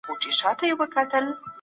د یو بل مالونه مه خورئ.